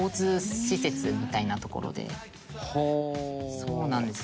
「そうなんですよ」